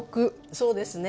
そうですね。